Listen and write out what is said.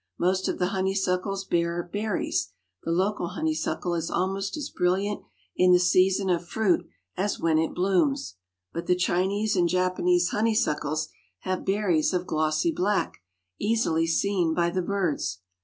Most of the honeysuckles bear berries; the local honeysuckle is almost as brilliant in the season of fruit as when it blooms, but the Chinese and Japanese honeysuckles have berries of glossy black, easily seen by the birds.